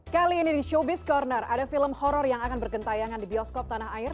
kali ini di showbiz corner ada film horror yang akan bergentayangan di bioskop tanah air